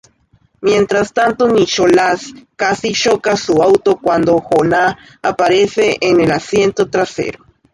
Mientras tanto, Nicholas casi choca su auto cuando Jonah aparece en el asiento trasero.